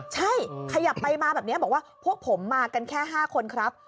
ใช่ขยับไปมาแบบนี้บอกว่าพวกผมมากันแค่๕คนครับ